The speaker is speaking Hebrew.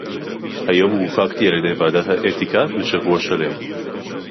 היום הורחקתי על-ידי ועדת האתיקה לשבוע שלם